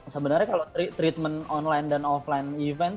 sebenarnya kalau treatment online dan offline event